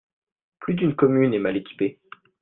Plus d'une commune est mal équipée.